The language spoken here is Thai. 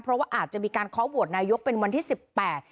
เพราะว่าอาจจะมีการเคาะโหวตนายกเป็นวันที่สิบแปด